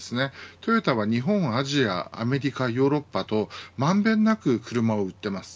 トヨタは日本、アジアアメリカ、ヨーロッパと満遍なく車を売っています。